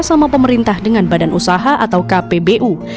sama pemerintah dengan badan usaha atau kpbu